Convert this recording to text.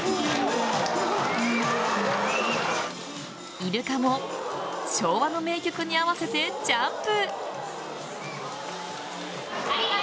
イルカも昭和の名曲に合わせてジャンプ。